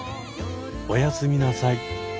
おやすみなさい。